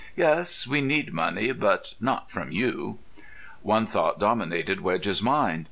Yes, we need money, but not from you." One thought dominated Wedge's mind.